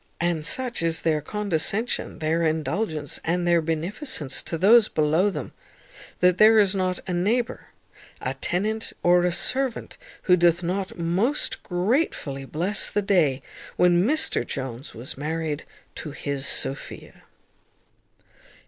And such is their condescension, their indulgence, and their beneficence to those below them, that there is not a neighbour, a tenant, or a servant, who doth not most gratefully bless the day when Mr Jones was married to his Sophia.